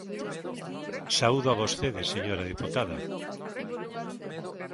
Saúdoa a vostede, señora deputada.